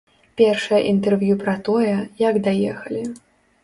Першае інтэрв'ю пра тое, як даехалі.